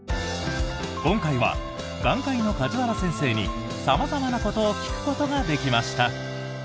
今回は、眼科医の梶原先生に様々なことを聞くことができました。